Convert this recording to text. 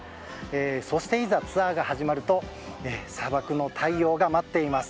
そしていざツアーが始まると砂漠の太陽が待っています。